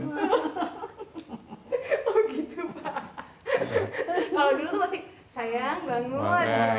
kalau dulu masih sayang bangun